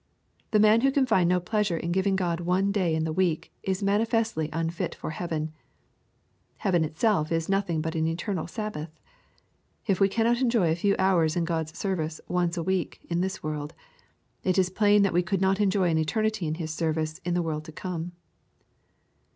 The man who can find no pleasure in giving God one day in the week, is manifestly unfit for heaven. Heaven itself is nothing but an eternal Sabbath. If we cannot enjoy a few hours in God's service once a week in this world, it is plain that we could not enjoy an eternity in His service in the world to come.